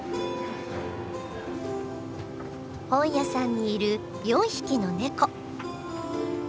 本屋さんにいる４匹のネコ。